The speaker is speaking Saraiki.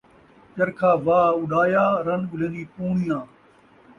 چرکھا وا اُݙایا ، رن ڳلین٘دی پُوݨیاں